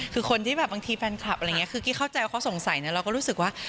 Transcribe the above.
คือคนที่แบบบางทีแฟนคลับอะไรอย่างนี้คือกี้เข้าใจว่าเขาสงสัยนะเราก็รู้สึกว่า